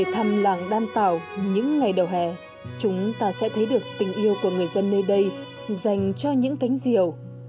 thăm làng đan tàu những ngày đầu hè chúng ta sẽ thấy được tình yêu của người dân nơi đây dành cho những cánh diều